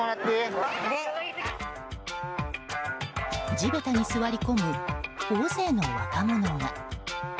地べたに座り込む大勢の若者が。